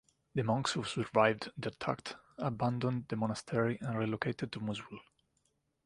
The monks who survived the attack abandoned the monastery and relocated to Mosul.